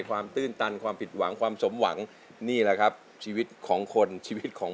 ความตื่นตันความผิดหวังความสมหวัง